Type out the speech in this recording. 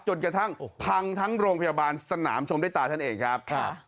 จนกระทั่งพังทั้งโรงพยาบาลสนามชมด้วยตาท่านเองครับ